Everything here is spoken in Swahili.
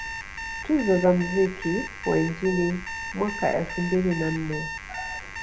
Tuzo za mziki wa injili mwaka elfu mbili na nne